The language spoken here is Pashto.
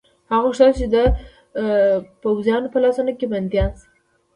هغه غوښتل چې د پوځیانو په لاسونو کې بندیان شي.